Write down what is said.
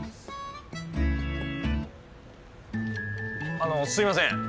あのすいません。